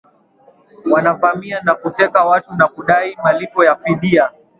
wanavamia na kuteka watu na kudai malipo ya fidia